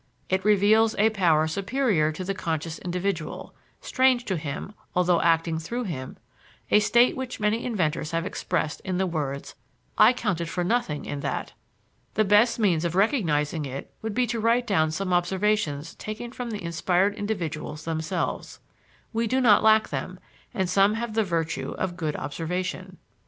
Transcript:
It reveals a power superior to the conscious individual, strange to him although acting through him: a state which many inventors have expressed in the words, "I counted for nothing in that." The best means of recognizing it would be to write down some observations taken from the inspired individuals themselves. We do not lack them, and some have the virtue of good observation.